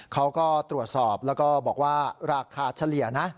เขาก็ตรวจสอบแล้วก็บอกว่าราคาเฉลี่ยนะ